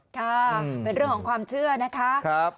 ค่ะเป็นเรื่องของความเชื่อนะคะ